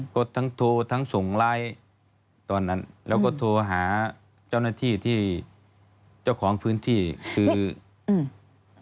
ก็ทั้งโทรทั้งส่งไลน์ตอนนั้นแล้วก็โทรหาเจ้าหน้าที่ที่เจ้าของพื้นที่คืออืม